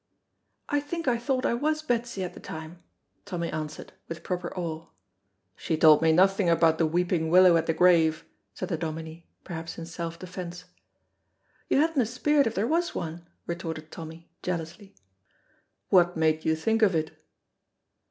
"I think I thought I was Betsy at the time," Tommy answered, with proper awe. "She told me nothing about the weeping willow at the grave," said the Dominie, perhaps in self defence. "You hadna speired if there was one," retorted Tommy, jealously. "What made you think of it?"